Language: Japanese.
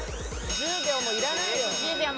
１０秒もいらないよ・